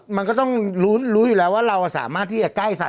มันก็ต้องรู้อยู่แล้วว่าเราสามารถที่จะใกล้สัตว